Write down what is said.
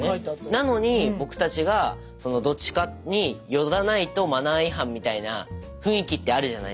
なのに僕たちがそのどっちかに寄らないとマナー違反みたいな雰囲気ってあるじゃないですか。